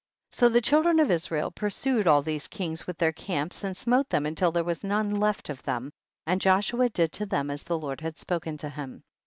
44. So the children of Israel pur sued all these kings with their camps, and smote them until there was none left of them, and Joshua did to them as the Lord had spoken to him.